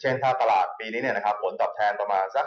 เช่นถ้าประหลาดปีนี้ผลตอบแทนประมาณสัก๑๐